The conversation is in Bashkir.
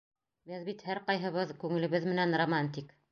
Беҙ бит һәр ҡайһыбыҙ күңелебеҙ менән романтик.